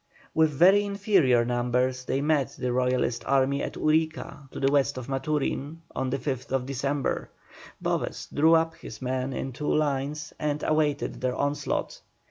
With very inferior numbers they met the Royalist army at Urica to the west of Maturin, on the 5th December. Boves drew up his men in two lines and awaited their onslaught.